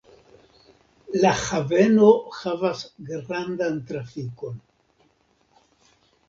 La haveno havas grandan trafikon.